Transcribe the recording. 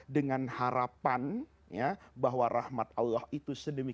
dengan harapan bahwa rahmat allah itu sedang diperoleh